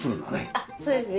あっそうですね。